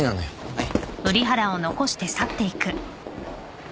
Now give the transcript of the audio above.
はい。